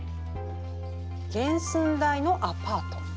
原寸大のアパート。